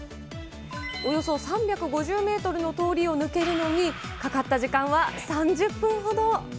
およそ３５０メートルの通りを抜けるのに、かかった時間は３０分ほど。